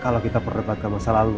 kalau kita perdebatkan masa lalu